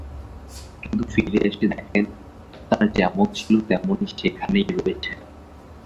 কিন্তু ফিরে এসে দেখেন, তারা যেমন ছিল, তেমনি সেখানেই রয়েছে।